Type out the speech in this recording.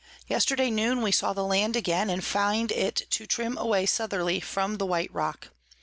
_ Yesterday Noon we saw the Land again, and find it to trim away Southerly from the white Rock.